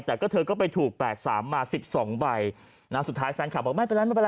แต่ก็เธอก็ไปถูกแปดสามมาสิบสองใบนะสุดท้ายแฟนคลับบอกไม่เป็นไร